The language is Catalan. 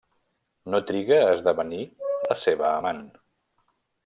No triga a esdevenir la seva amant.